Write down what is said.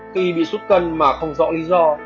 khi bị xuất cân mà không rõ lý do